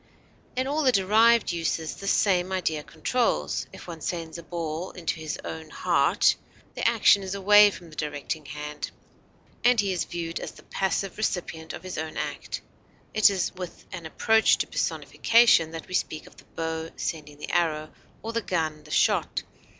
In all the derived uses this same idea controls; if one sends a ball into his own heart, the action is away from the directing hand, and he is viewed as the passive recipient of his own act; it is with an approach to personification that we speak of the bow sending the arrow, or the gun the shot.